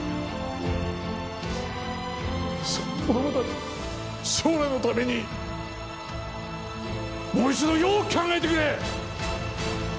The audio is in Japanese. その子どもたちの将来のためにもう一度よく考えてくれ！